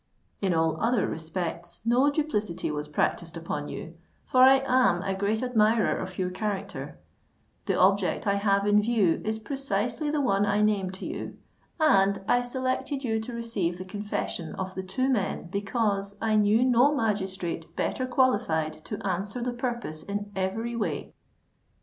In all other respects no duplicity was practised upon you; for I am a great admirer of your character—the object I have in view is precisely the one I named to you—and I selected you to receive the confessions of the two men, because I knew no magistrate better qualified to answer the purpose in every way."